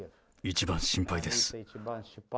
一番心配です。